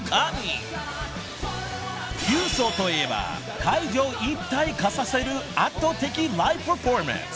［キュウソといえば会場を一体化させる圧倒的ライブパフォーマンス］